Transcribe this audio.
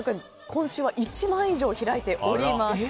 今週は１万円以上開いております。